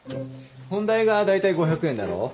本代がだいたい５００円だろ。